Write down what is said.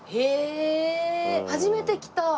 初めて来た。